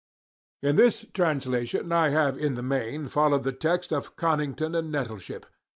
_ In this translation I have in the main followed the text of Conington and Nettleship.